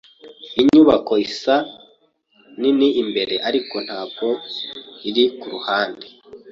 Iyi nyubako isa nini imbere, ariko ntabwo iri kuruhande.